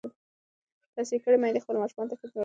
تحصیل کړې میندې خپلو ماشومانو ته ښه روزنه ورکوي.